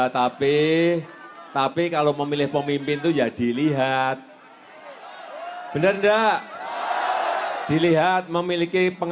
nanti kalau jokowi kiai haji ma'ruf amin menang